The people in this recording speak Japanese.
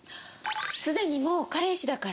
すでにもう彼氏だから？